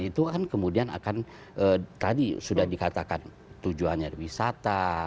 itu kan kemudian akan tadi sudah dikatakan tujuannya wisata